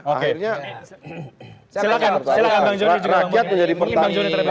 akhirnya rakyat menjadi pertanian